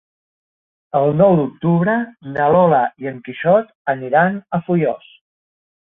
El nou d'octubre na Lola i en Quixot aniran a Foios.